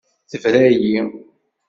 Tebra-yi.